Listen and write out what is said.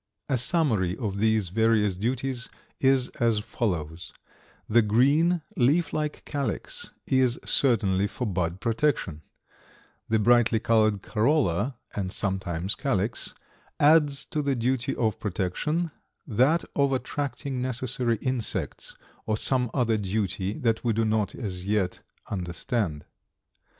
A summary of these various duties is as follows: The green, leaf like calyx is certainly for bud protection; the brightly colored corolla (and sometimes calyx) adds to the duty of protection that of attracting necessary insects, or some other duty that we do not as yet understand.